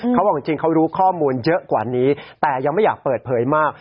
เขาบอกจริงเขารู้ข้อมูลเยอะกว่านี้แต่ยังไม่อยากเปิดเผยมาก